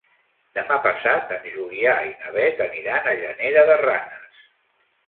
Demà passat en Julià i na Beth aniran a Llanera de Ranes.